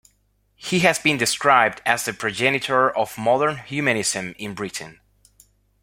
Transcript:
He has been described as the "progenitor of modern humanism in Britain".